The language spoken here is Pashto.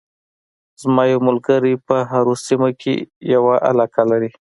زما یو ملګری په هارو سیمه کې یوه علاقه لري